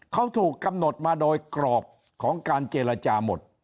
เขาถูกกำหนดมาโดยกรอบของการเจรจาหมด